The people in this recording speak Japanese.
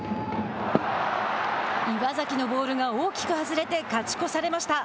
岩崎のボールが大きく外れて勝ち越されました。